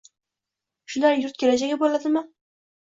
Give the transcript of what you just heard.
Shular yurt kelajagi bo‘ladimi?»